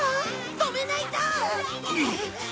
止めないと！